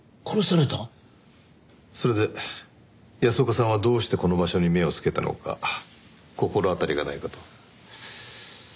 それで安岡さんはどうしてこの場所に目をつけたのか心当たりがないかと。